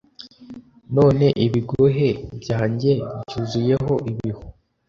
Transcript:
none ibigohe byanjye byuzuyeho ibihu